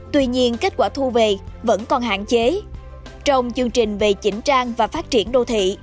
tuy nhiên kết quả thu về vẫn còn hạn chế trong chương trình về chỉnh trang và phát triển đô thị